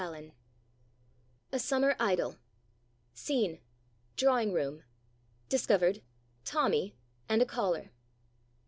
106 A SUMMER IDYL Scene — Drawing room. Discovered — Tommy and a Caller.